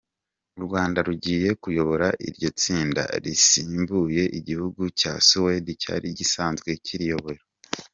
U Rwanda rugiye kuyobora iryo tsinda rusimbuye igihugu cya Suwedi cyari gisanzwe kiriyobora.